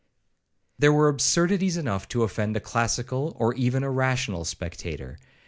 There were absurdities enough to offend a classical, or even a rational spectator.